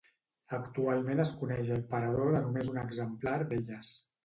Actualment es coneix el parador de només un exemplar d'elles.